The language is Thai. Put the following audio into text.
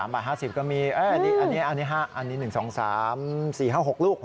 บาท๕๐ก็มีอันนี้๑๒๓๔๕๖ลูก